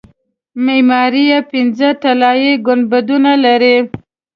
معماري یې پنځه طلایي ګنبدونه لري.